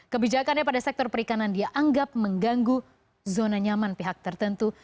kebijakannya pada sektor perikanan dianggap mengganggu zona nyaman pihak tertentu